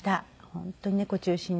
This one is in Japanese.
本当に猫中心で。